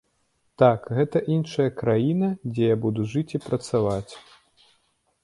Так, гэта іншая краіна, дзе я буду жыць і працаваць.